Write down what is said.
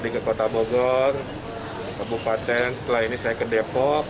di ke kota bogor kabupaten setelah ini saya ke depok